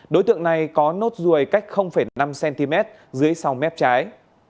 đối tượng này có nốt ruồi cách năm cm dưới sau mép trái